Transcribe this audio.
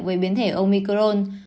với biến thể omicron